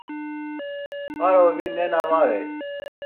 Arovi nena var ey.